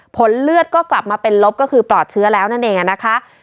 ผลเลือดก็กลับมาเป็นลบก็คือปลอดเชื้อแล้วนั่นเองนะคะ